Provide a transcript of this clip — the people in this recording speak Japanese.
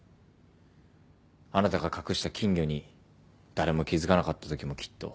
あなたが隠した金魚に誰も気付かなかったときもきっと。